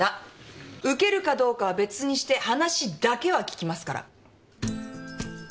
受けるかどうかは別にして話だけは聞きますから。